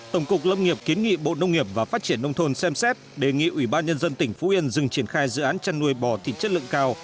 tổng cục lâm nghiệp kiến nghị bộ nông nghiệp và phát triển nông thôn xem xét đề nghị ubnd tỉnh phú yên dừng triển khai dự án chăn nuôi bò thịt chất lượng cao